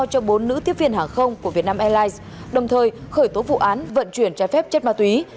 cho bốn nữ tiếp viên hàng không của việt nam airlines đồng thời khởi tố vụ án vận chuyển trái phép chất ma túy